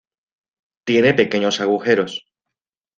Tiene pequeños agujeros.